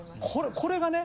これがね